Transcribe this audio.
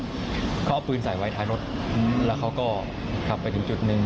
เขาเอาปืนใส่ไว้ท้ายรถแล้วเขาก็ขับไปถึงจุดหนึ่ง